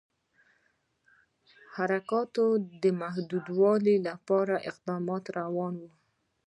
حرکتونو د محدودولو لپاره اقدامات روان وه.